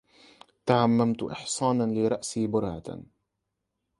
تعممت إحصانا لرأسي برهة